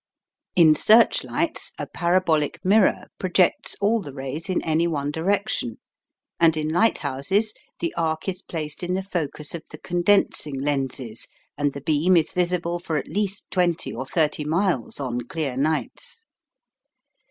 In search lights a parabolic mirror projects all the rays in any one direction, and in lighthouses the arc is placed in the focus of the condensing lenses, and the beam is visible for at least twenty or thirty miles on clear nights.